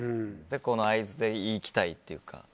この合図でいきたいというか。